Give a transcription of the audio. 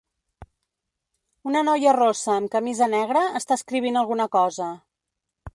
Una noia rossa amb camisa negra està escrivint alguna cosa